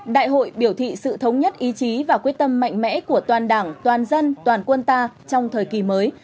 đại hội biểu thị sự thống nhất ý chí và quyết tâm mạnh mẽ của toàn đảng toàn dân toàn quân ta trong thời kỳ mới